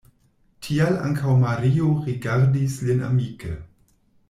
Tial ankaŭ Mario rigardis lin amike.